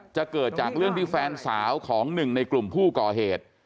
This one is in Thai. จะเกิดจากเรื่องที่แฟนสาวของหนึ่งในกลุ่มผู้ก่อเหตุ